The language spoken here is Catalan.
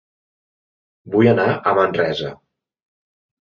Vull anar a Manresa